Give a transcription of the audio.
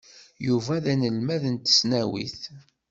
Yuba d anelmad n tesnawit.